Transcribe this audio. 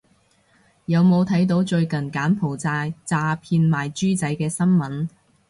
有冇睇到最近柬埔寨詐騙賣豬仔啲新聞